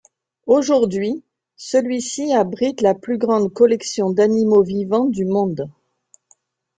Aujourd’hui, celui-ci abrite la plus grande collection d’animaux vivants du monde.